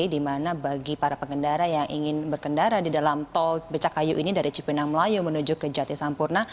di mana bagi para pengendara yang ingin berkendara di dalam tol becakayu ini dari cipinang melayu menuju ke jati sampurna